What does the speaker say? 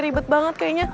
ribet banget kayaknya